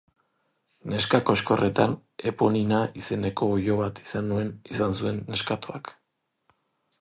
Neska koxkorretan, Eponina izeneko oilo bat izan zuen neskatoak.